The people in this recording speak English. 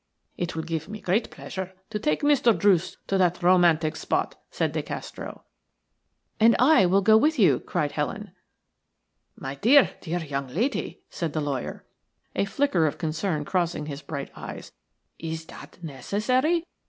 "It will give me great pleasure to take Mr. Druce to that romantic spot," said De Castro. "And I go with you," cried Helen. "My dear, dear young lady," said the lawyer, a flicker of concern crossing his bright eyes, "is that necessary?